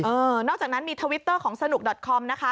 นอกจากนั้นมีทวิตเตอร์ของสนุกดอตคอมนะคะ